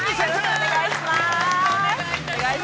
◆お願いします。